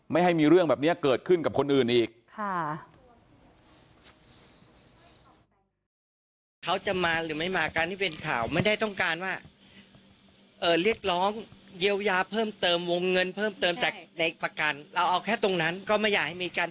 ให้มีเรื่องแบบนี้เกิดขึ้นกับคนอื่นอีก